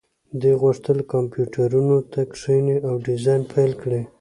دوی غوښتل کمپیوټرونو ته کښیني او ډیزاین پیل کړي